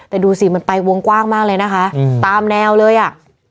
แต่ดูสิมันไปวงกว้างมากเลยนะคะตามแนวเลยอ่ะ